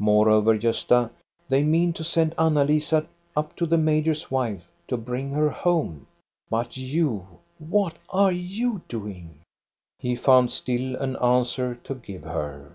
Moreover, Gosta, they mean to send Anna Lisa up to the major's wife to bring her home. But you, what are you doing?" He found still an answer to give her.